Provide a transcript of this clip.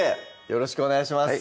よろしくお願いします